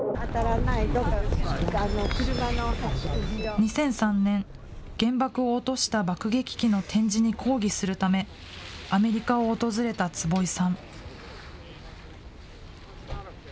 ２００３年、原爆を落とした爆撃機の展示に抗議するため、アメリカを訪れた坪井さん。